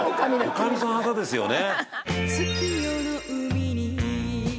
女将さんですよね。